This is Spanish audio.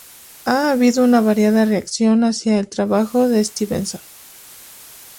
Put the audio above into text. Ha habido una variada reacción hacia el trabajo de Stevenson.